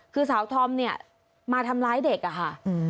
คือสาวธอมเนี่ยมาทำร้ายเด็กอะค่ะ